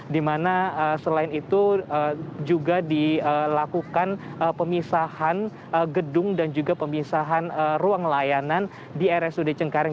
di mana selain itu juga dilakukan pemisahan gedung dan juga pemisahan ruang layanan di rsud cengkareng